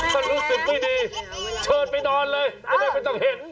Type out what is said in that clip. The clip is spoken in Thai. ถ้ารู้สึกไม่ดีเชิญไปนอนเลยจะได้ไม่ต้องเห็น